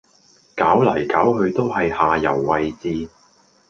搞嚟搞去都係下游位置